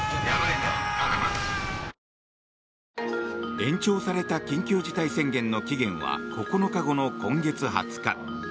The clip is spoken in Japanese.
延長された緊急事態宣言の期限は、９日後の今月２０日。